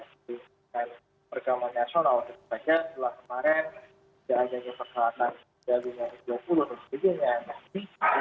dan perkembangannya asal awal awal saja